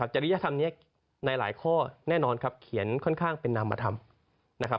เจริญธรรมนี้ในหลายข้อแน่นอนเขียนค่อนข้างเป็นนามมาทำ